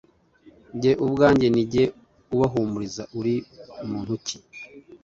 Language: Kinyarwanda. jye ubwanjye ni jye ubahumuriza uri muntu ki